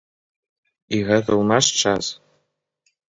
І гэта ў наш час!